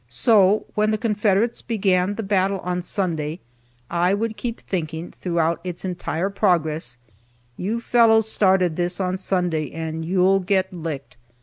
So, when the Confederates began the battle on Sunday, I would keep thinking, throughout its entire progress, "You fellows started this on Sunday, and you'll get licked."